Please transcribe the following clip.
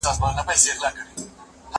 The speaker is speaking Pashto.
هغه وويل چي وخت تېریدل ضروري دي،